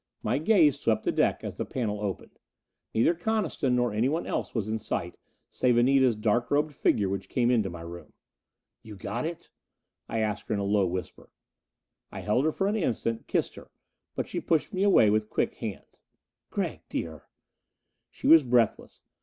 My gaze swept the deck as the panel opened. Neither Coniston nor anyone else was in sight, save Anita's dark robed figure which came into my room. "You got it?" I asked her in a low whisper. I held her for an instant, kissed her. But she pushed me away with quick hands. "Gregg, dear " She was breathless.